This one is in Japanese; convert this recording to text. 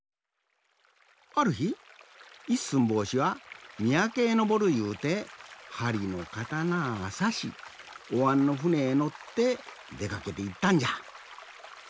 あるひ一寸法師はみやけぇのぼるいうてはりのかたなさしおわんのふねへのってでかけていったんじゃ。